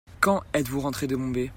Quand êtes-vous rentré de Bombay ?